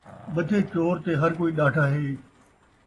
ٻدھے چور تے ہر کوئی ݙاڈھا اے